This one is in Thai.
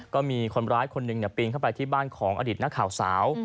ก็มีคนร้ายคนหนึ่งปีนเข้าไปที่บ้านของอดีตนักข่าวสาว